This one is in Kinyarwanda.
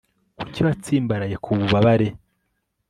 kuki watsimbaraye ku bubabare